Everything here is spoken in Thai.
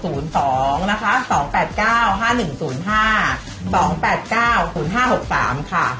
สุดยอดจริงนะครับทั้งเรื่องของการท้ายชีวิตส่วนใหญ่ในการทำงาน